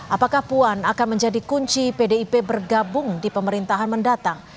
apakah puan akan menjadi kunci pdip bergabung di pemerintahan mendatang